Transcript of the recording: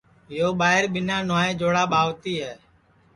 یو ٻائیر ٻینا نھوائے جوڑا ٻاوتی ہے